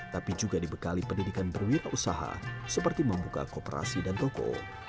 tapi juga dibekali pendidikan berwirausaha seperti membuka kooperasi dan toko